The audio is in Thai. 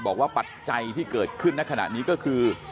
ปัจจัยที่เกิดขึ้นในขณะนี้ก็คือ